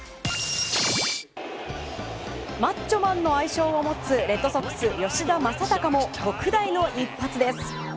マッチョマンの愛称を持つレッドソックス、吉田正尚も特大の一発です。